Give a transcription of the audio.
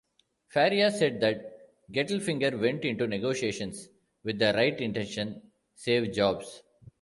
Faria said that Gettelfinger went into negotiations with the right intention...Save jobs.